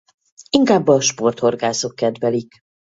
Inkább a sporthorgászok kedvelik.